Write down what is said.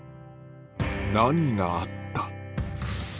何があった？